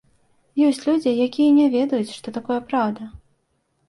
Ёсць людзі, якія не ведаюць, што такое праўда.